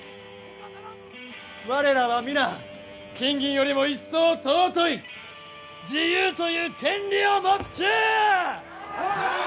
我らは皆金銀よりも一層尊い自由という権利を持っちゅう！